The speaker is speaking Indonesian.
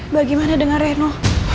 bagaimana dengan reno